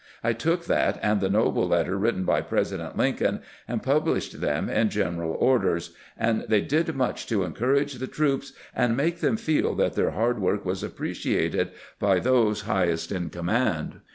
I took that and the noble letter written by President Lincoln, and published them in general orders ; and they did much to encourage the troops and make them feel that their hard work was appreciated by those highest in command."